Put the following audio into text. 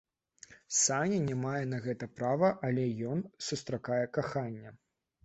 Сані не мае на гэта права, але ён сустракае каханне.